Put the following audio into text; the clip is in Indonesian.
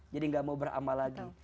jadi gak mau beramal lagi